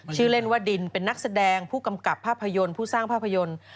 ชื่อเล่นว่าดินเป็นนักแสดงผู้กำกับภาพยนตร์ผู้สร้างภาพยนตร์